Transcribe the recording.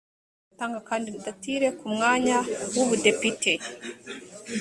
atanga kandidatire ku mwanya w’ubudepite